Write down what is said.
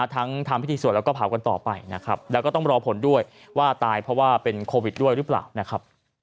ทั้งทำพิธีส่วนแล้วก็ผาวกันต่อไปแล้วก็ต้องรอผลด้วยว่าตายเพราะว่าเป็นโควิดด้วยหรือเปล่า